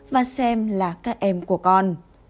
và xem là các em của con